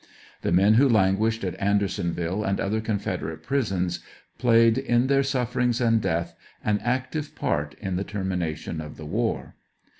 The men who languished at Andersonville and other Con federate prisons, played, in their sufferings and death, an active part in the termination of the war.